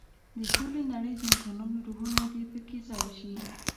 د ټولې نړۍ د انسانانو روحونه دې په کې ځای شي.